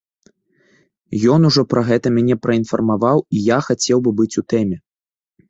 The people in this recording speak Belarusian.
Ён ужо пра гэта мяне праінфармаваў і я хацеў бы быць у тэме.